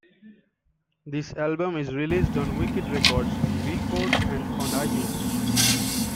This album is released on Wikkid Records, Beatport and on iTunes.